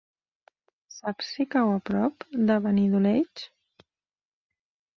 Saps si cau a prop de Benidoleig?